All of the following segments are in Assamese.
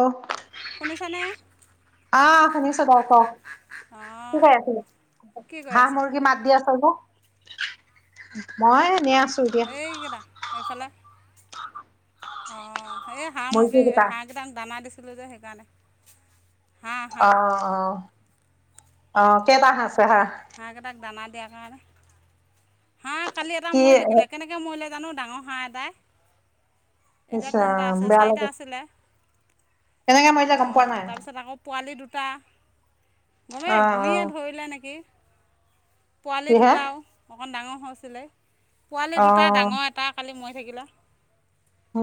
আহ শুনিছানে অ শুনিছো দে আ ক কি অঁ খাই আছিলে কি কৰি হাঁহ আছ মুৰ্গী মাত দি আছ যে মই এ ন আছো এতিয়া এইকেইদা এইফালে অঁ এই হাঁহ মুৰ্গী মুগী কেইটা হাঁহ কোমাম দানা দিছিল লৈে সেইকাৰণে হাঁহ অ হাঁহ অ অ কেইটাছে হাঁ কেইটাক দানা দিয়া কাৰণে হাঁহ কালি এটা কি মৰি থাকিলে কেনেকৈ মৰিলে জানো ডাঙৰ হাঁহ এটাই ইচ এতিয়া তিনিটা আছে চাৰিটা আছিলে এনেকে মইিল কম্পানে া অ গমেই অ গুৰিয়ে ধৰিলে নেকি পোৱালি কিহে দুটাও অকণ ডাঙৰ হৈছিলে পোৱালি অ দুটা ডাঙৰ এটা কালি ম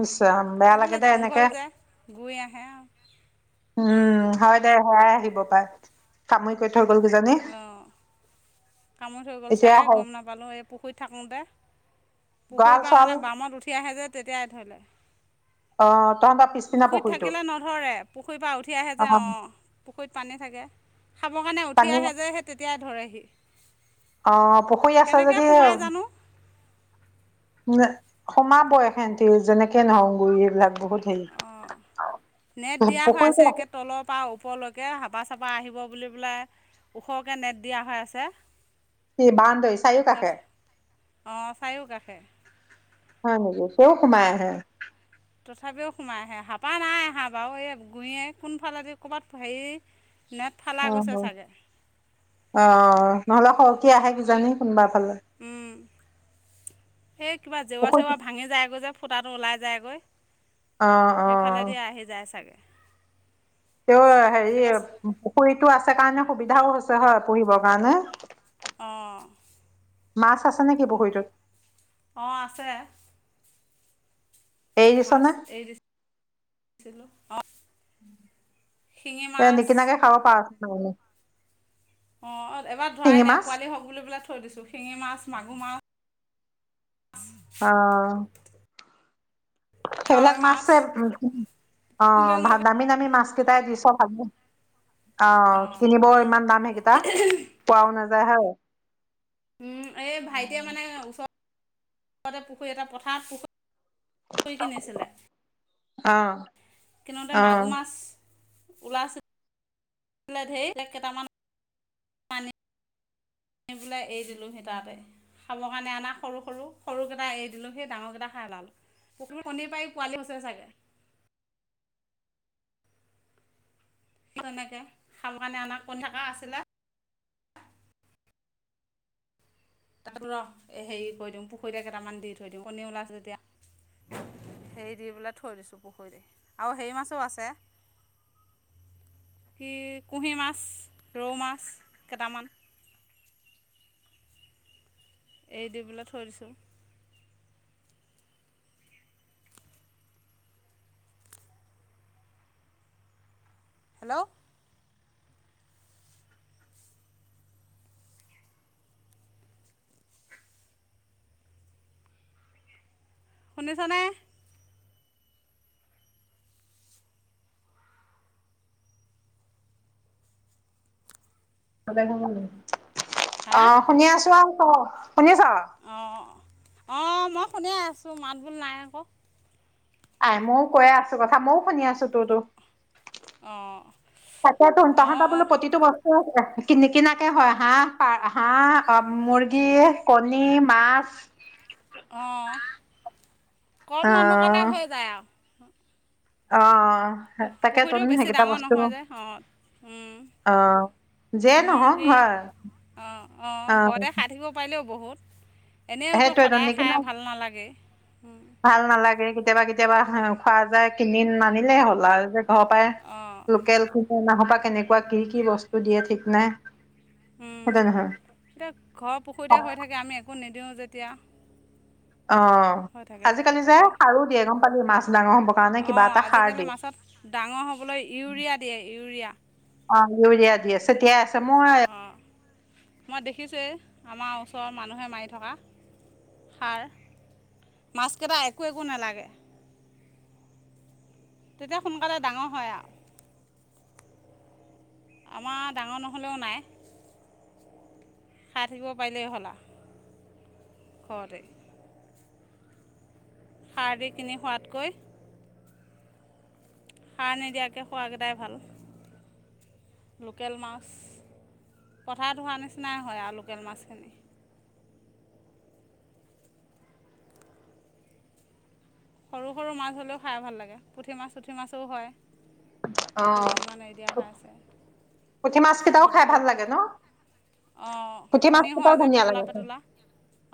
ইচ ৰাম বেয়া লাগে দে এনেকে জংঘল য গৈ আহে উম হয় দে সেয়াই আহিব পাই কামুৰি কৰি তানে কামত হৈ গ'ল চাগে গম নাপালোঁ এই পুখুৰীত থাকোঁতে গঁৰাল পুখুৰীৰ পৰা চৰাল মানে বামত উঠি আহে যে তেতিয়াই ধৰিলে অ তহঁতৰ পিছদিনা পুখুৰীত পুখুৰীটো থাকিলে নধৰে পুখুৰীৰ পৰা উঠি আহে অ যে অঁ পুখুৰীত পানী থাকে খাবৰ খানে উঠি পানী আহে যেহে তেতিয়াাই ধৰেহি আহ পুখুৰী আছে কেনেকৈ যদি সোমাই জানো সোমাব এখে্ত যেনেকে নৰ গুৰি এইবিলাক বহুত হেৰি অঁ নেট দিয়া হৈ আছে পুখুৰীটো একে তলৰ পৰা ওপৰলৈকে হাবা চপা আহিব বুলি পেলাই ওখৰকৈ নেট দিয়া হৈ আছে কি বাউণ্ডৰী চাৰিওকাষে অ চায়োকা আষে হয় হয় চ ঘুমাা হে তথাপিও সোমাই আহে হাপা নাই আহাঁ বাৰু এই গুঞয়ে কোনফালেদি ক'ৰবাত হেৰি নেট ফালা অ গৈছে চাগে অ নহলে সৰক আহে কিজানি কোনোবা ফালে উম এইেই কিবা জেওৰা পুখুৰীটো চেওৱৰা ভাঙি যায়গৈ যে ফুটাটো ওলাই যায়গৈ অ অ সেইফালেদি আহি যায় চাগে তেওঁ হেৰি কেতিয়াবা পুখুৰীতটো আছে কাৰণে সুবিধাও হৈছে হয় পুহিবৰ কাৰণে অঁ মাছ আছে নেকি পুহ পখুৰীটোত অঁ আছে মাছ দিছনে এইছিলো অ তে নিকিনাকে খাব পাৰ নহলে অঁ এবাৰ ধৰাই নাই পোৱালি হওক বুলি পেললে থৈ দিছোঁ শিঙি মাছ মাগুৰ মাছ আহ কাৱৈ সেইবিলাক মাছ মাছছে অ লোকেল ভ মাছ দামী দামী মাছ কেইটাই দিছ ভাগি অ অঁ কিনিব ইমান দাম সেইকেইটা পোৱাও নাযায় হে উ এই ভাইটিয়ে মানে ওচৰৰতে পুখুৰী এটা পথাৰত পুুৰী কৈ কিিনিছিলে অ কিনেতে অ মাগুৰ মাছ ওলাইছ ধেৰ এক কেইটামান আ পেলাই এৰি দিলোঁহি তাতে খাবৰ কাৰণে অনা সৰু সৰু সৰুকেইটা এৰি দিলোঁ সেই ডাঙৰকেইটা খাই ওালোঁ পুখুৰীৰ কণীৰ পৰাই পোৱালি হৈছে চাগে [inaudible] সনেকে খাব কাৰণে আনাক কোন থকা আছিলে তাত ৰ হেৰি কৰি দিওঁ পুখুৰীত কেইটামান দি থৈ দিওঁ কণী ওলাইছে যেতিয়া। হেৰি দি পেলাই থৈ দিছোঁ পুখুৰী আৰু হেৰি মাছো আছে। কি কুঁহি মাছ, ৰৌ মাছ কেটামান। [inaudible] এ দি পেলাই থৈ দিছোঁ। হেল্ল'। শুনিছ নে? হা আহ শুনি আছো চ শুনি আছা। অ' মই শুনি আছো মাত বোল নাই আকৌ। আ ময়ও কৈ আছো কথা। ময়ও শুনি আছো তোৰ তো। অঁ এটা ত তাহাঁত অঁ বোলো অঁ পতিটো বস্ত কিন কিনাকে হয় হাঁহ প হাঁহ মুৰ্গী কণী মাছ। অ' অ কম মানহ কাৰণে হৈ যায় আৰু অ'। তাকে তোন পুখুৰীও বেছি সেইকেইটা ডাঙৰ বস্তু নহয় যে। অ যিয়ে নহওক মুৰ্গী হয় অ', অ' ঘৰতে খাই থাকিব পাৰিলেও বহুত। এনেওতো সেইটোৱেতো সদায় নিকিনা খাই ভাল নালাগে। ভাল নালাগে কেতিয়াবা কেতিয়াবা খোৱা যায় কিনি নানিলে হ'ল আৰু যে ঘৰৰ অঁ পৰাই লোকেল নহবা কেনেকুৱা কি কি বস্তু দিয়ে ঠিক নাই। সেইটো নহয় এতিয়া ঘৰ অ পুখুৰীতে হৈ থাকে আমি একো নিদিওঁ যেতিয়া। অ' হৈ থাকে আজিকালি যে তাতে সাৰো দিয়ে গম পালি মাছ ডাঙৰ হবৰ কাৰণে কিবা অঁ এটা সাৰ আজিকালি দিয়ে। মাছত ডাঙৰ হ'বলৈ ইউৰিয়া দিয়ে ইউৰিয়া। অ' ইউৰিয়া দি আছে। মই অ' মই দেখিছোয়ে। আমাৰ ওচৰৰ মানুহে মাৰি থকা সাৰ মাছকেটা একো এক নেলাগে। তেতিয়া সোনকালে ডাঙৰ হয়। আমাৰ ডাঙৰ নহ'লেও নাই। খাই থাকিব পাৰিলেই হ'লা ঘৰতে। খাৰ দি কিনি খোৱাতকৈ। সাৰ নিদিয়াকৈ খোৱাকেইটাই ভাল। লোকেল মাছ। পথাৰত হোৱাৰ নিচিনাই হয় আৰু লোকেল মাছখিনি। সৰু সৰু মাছ হ'লেও খাই ভাল লাগে পুঠি মাছ পুঠি মাছো হয়। অ' কেইজনীমান এৰি দিয়া হৈ আছে পুঠি মাছ কেইটাও তাৰপিছত খাই আকৌ ভাল কি লাগে ন। অঁ পুঠি মাছ কেইটাও ধুনীয়া লাগে খাই।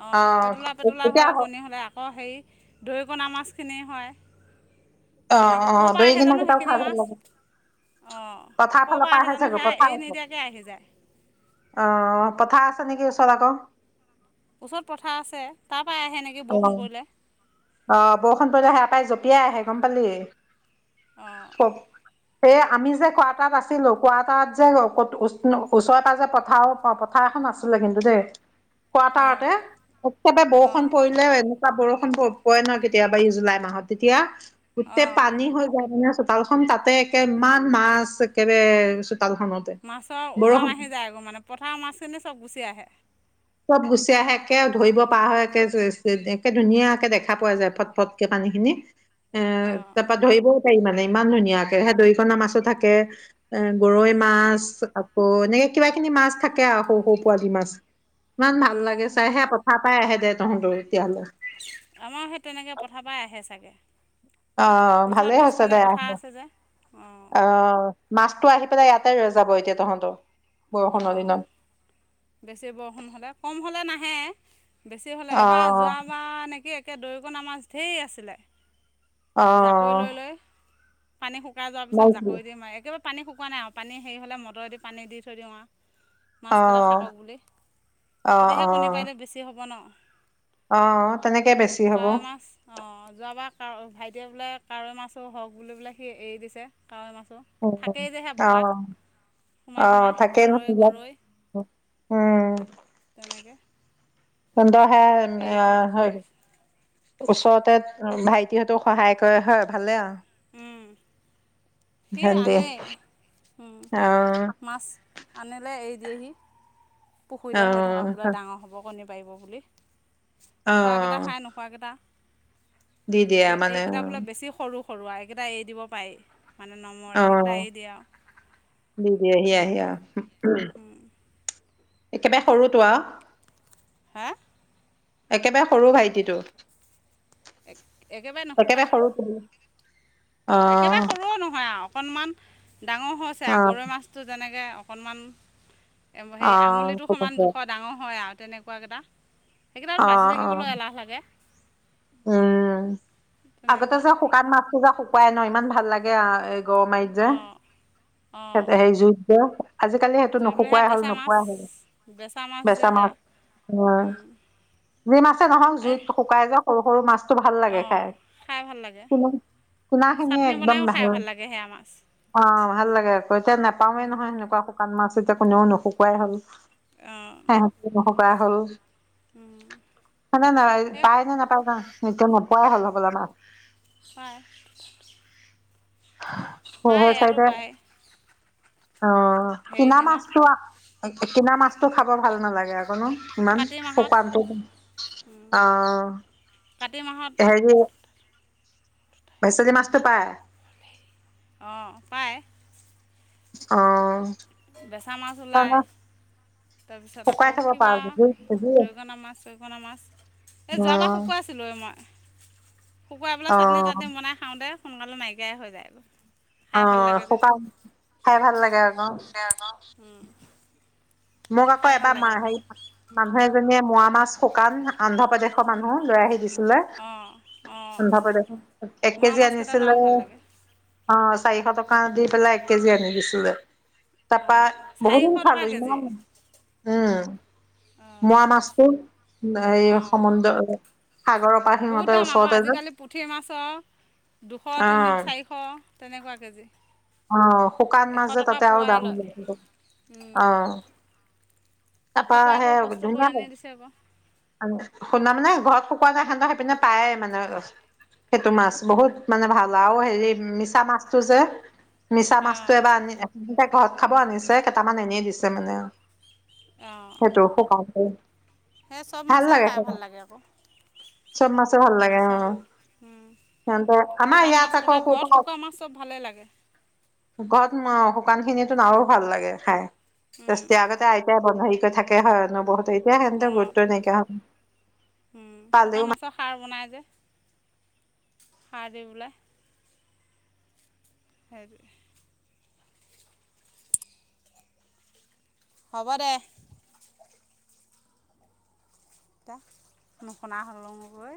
অ' পেটলা পেটলা এতিয়া হয় কণী অ হ'লে আকৌ হেৰি দৰিকণা [unintelligible] মাছখিনি হয়। তেনেকৈ আহ ক'ৰ অ' পৰা আহে দৰিকনা জানো কেইটাও সেইখিনি খাই ভাল মাছ লাগে। অঁ পথাৰ ক'ৰ ফালৰ পৰা আহে জানো চাগ সেয়া পথাৰ। এৰি অ' নিদিয়াকৈ আহি যায় পথাৰ আ তেনেকে ওচৰত আকৌ। ওচৰত পথাৰ আছে তাত অ' আহ বৰষুণ পৰিলে সে পায় জঁপিয়াই আহে গম পালি। অঁ [unintelligible] এই আমি যে কোৱাটাত আছিলো কোৱাটাত যে ওচৰে পাজৰে পথাৰ পথাৰখন নাছিলে কিন্তু দেই কোৱাটাৰতে অঁ একেবাৰে বৰষুণ অঁ পৰিলে এনেকুৱা বৰষুণ পয় নহয় কেতিয়াবা এই জুলাই মাহত তেতিয়া গোটেই অঁ পানী হৈ যায় মানে। তালখন তাতে একেমান মাছ একেবাৰে চোতালখনতে মাছৰ ওজন বৰষুণ আহি যায় আগৌ মানে পথাৰৰ মাছখিনি চব গুচি আহে। চব গুচি আহে, একে ধৰিব পৰা হয় একে, একে ধুনীয়াকে দেখা পোৱা যায় ফট-ফটকে মানে পানীখিনি। এ অঁ তাৰ পৰা ধৰিবও পাৰি মানে ইমান ধুনীয়াকে, সে দৰিকণা মাছো থাকে। এ গৰৈ মাছ আকৌ এনেকে কিবা খিনি মাছ থাকে সৰু-সৰু পোৱালি মাছ। ইমান ভাল লাগে চাইহে কথা পাই আহে দে, তহঁতৰ এতিয়ালৈ আমাৰ সেই তেনেকে পথাৰ পৰা আহে চাগে! অহ ওচৰত ভালেই হৈছে পিছফালে দে পথাৰ আহিলে আছে যে অঁ অহ। মাছটো আহি পেলাই ইয়াতে ৰৈ যাব এতিয়া তহঁতৰ বৰষুণৰ দিনত অ' বেছি বৰষুণ হ'লে, কম হ'লে নাহে। বেছি হ'লে অ এবাৰ যোৱাবাৰ নেকি, একে দৰিকণা মাছ ঢেৰ আছিলে। অ জাকৈ লৈ লৈ পানী শুকাই যোৱাৰ অ পিছত জাকৈ দি মাৰি একেবাৰে পানী শুকোৱা নাই আৰু পানী হেৰি হ'লে মটৰদি পানী দি থৈ দিও আৰু মাছকেইটা থাকক অ বুলি তেতিয়াহে কণী পাৰিলে বেছি হ'ব ন। অহ তেনেকে বেছি হ'ব। কাৱ ভাইটিয়ে বোলে কাৱৈ মাছো হওক বুলি বোলে সি এৰি দিছে। কাৱৈ মাছো উ থাকেই যে সেয়া বোকাত সোমাই অহ-অহ। সোমাই তাকে নো কাৱৈ গৰৈ [unintelligible] উম। তেনেকৈ ফোনটো আহে এৰি এ দি দি থৈ হৈ দিছে ওচৰতে ভাইটিহঁতো সহায় কৰে হয়, ভালে আৰু সি সিহঁতি আনে অ মাছ আনিলে এই দিয়েহি অ পুখুৰীতে হৈ থকা বোলে ডাঙৰ হ'ব কণী পাৰিব বুলি। অ খোৱা কিতা খাই নোখোৱা কেইটা দি এই দিয়ে মানে এইকেইটা বোলে বেছি সৰু-সৰু এইকেইটা এৰি দিব পাৰি। মানে অ অ নমৰে, সেইকেইটা এৰি দিয়ে আৰু দি দি এ আহে তেনেকুৱা আৰু একেবাৰে সৰুটো আৰু হা। একেবাৰে সৰু ভাইটিটো। এক একেবাৰে নুশুকায়, অ' একেবাৰে সৰুও নহয় আৰু অকণমান ডাঙৰ হৈছে, অ গৰৈ মাছটো যেনেকৈ অকণমান হেই আঙুলিটো অ সমান জোখৰ ডাঙৰ হয় আৰু তেনেকুৱা কেইটা। সেইকাৰণে আৰু অ বাচি অ থাকিবলৈ এলাহ লাগে। উম আগতে তেনেকুৱা যে শুকান মাছটো যে শুকুৱাই ন ইমান ভাল লাগে গৰ মাৰিত যে অঁ অঁ এতে সেই জুইত আজিকালি সেইটো জুইটোহে নুশুকোৱাই হ'ল, বেচা মাছ নুশুকুৱাই হ'ল বেচা মাছ উ উম, জুই মাছে নহওক এই জুইত শুকাই যে সৰু-সৰু মাছটো ভাল লাগে অঁ খাই। খাই ভাল লাগে চুনা খিনি চাটনি একদম বনায়ো খাই [unintelligible] ভাল অ'। লাগে সেয়া মাছ অ' ভাল লাগে আকৌ এতিয়া নাপাওে নহয় সেনেকুৱা শুকান মাছ। এতিয়া কোনেও নুশুকুৱাই হ'ল। অঁ [unintelligible] শুকা হ'ল। ন নে এই পায় নে নাপায়, নোপোৱাই হ'ল সকল মা হয়। সেই পায় আৰু চাইডে পায়। অ' হেৰি কিনা দিনত মাছো, কিনা মাছটো, খাব ভাল নালাগে অকণো। কিমান কাতি মাহত সোপানটো অহ। কাতি মাহত সেই যে। পইচা যে মস্ত পায়। অ' পায়। অ'। বেচা মাছ ওলাই তাৰপিছত শুকাই আকৌ থব কিবা পাৰা যদি যদি অ দৰিকণা মাছ চৰিকনা মাছ এই যোৱাবাৰ শুকুৱাইছিলো এই মই। শুকুৱাই পেলাই অ চাটনি তাটনি বনাই খাওঁ দে সোনকালে নাইকিয়াই হৈ যায়। অ খাই ভাল শুকান খাই ভাল লাগে আকৌ। দে আকৌ উম। মোক আকৌ খাই ভাল লাগে এবাৰ আকৌ হেৰি মানুহে মোৱা মাছ শুকান অন্ধ্ৰপ্ৰদেশৰ মানুহো লৈ আহি দিছ চেজে অঁ অঁ সন্ধা [unintelligible] এক মোৱা কেজি মাছকেইটাতো আনিছিলে। আৰু ভাল লাগে অ চাৰিশ টকা দি পেলাই এক কেজি আনি দিছিলে। তাৰপা অঁ চাৰিশ বহুত টকা খালোঁ কেজি ইমান উম। মোৱা মাছটোৰ অঁ এই [unintelligible] পৰা বহুত সিহঁতে দাম আকৌ ওচৰতে যে আজিকালি পুঠি মাছৰ দুশ তিনি অ', চাৰিশ তেনেকুৱা কেজি। অহ শুকান এশ মাছযে টকা তাতে আৰু পোৱাই দাম [unintelligible] লয় অহ। তাৰপা শুকুৱাই সে কৰি কষ্ট কৰি ধুনীয়া আনি দিছে আকৌ [unintelligible] শুনা মানে ঘৰত খোৱা নাই খান্দ সেইপিনে পায়ে মানে সেইটো মাছ বহুত মানে ভাল আৰু হেৰি মিছা মাছটো যে মিছা অঁ মাছটো এবাৰ আনি ঘৰত খাব আনিছে কেইটামান এনেয়ে দিছে মানে আৰু। অঁ সেইটো [unintelligible] সেই চব মাছে খাই ভাল লাগে আকৌ। চব মাছে ভাল লাগে মিছা অ। সিহঁতে আমাৰ শুকান ইয়াত আকৌ মাছকেইটা ক'ৰ ঘৰত পৰা শুকোৱা মাছ চব ভালেই লাগে। ঘৰত শুকান খিনিটো আৰু ভাল লাগে খাই টেষ্টি আগতেই তে [unintelligible] কৰি থাকে হয় ন বহুত বিয়া সেনেতে অঁ গুৰুত্ব নাইকিয়া হ শুকান পালেও ম মাছৰ সাৰ [unintelligible] [unintelligible] হ'ব দে। নোহোনা হলং গৈ